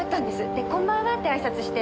でこんばんはってあいさつして。